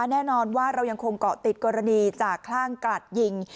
แน่นอนว่าเรายังคงเกาะติดกรณีจากคลั่งกลัดยิง